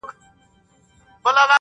کله چي د استعمارګر